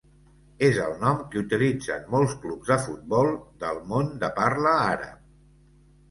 És el nom que utilitzen molts clubs de futbol del món de parla àrab.